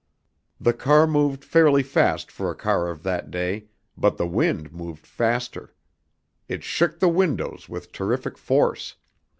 The car moved fairly fast for a car of that day, but the wind moved faster. It shook the windows with terrific force.